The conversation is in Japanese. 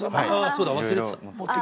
そうだ忘れてた。